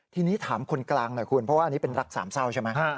ทีนี้ถามคนกลางหน่อยคุณเพราะว่าอันนี้เป็นรักสามเศร้าใช่ไหม